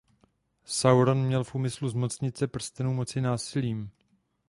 Sauron měl v úmyslu zmocnit se Prstenů moci násilím.